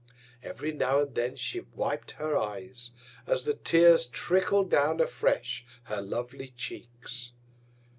Every now and then she wip'd her Eyes, as the Tears trickl'd down afresh her lovely Cheeks.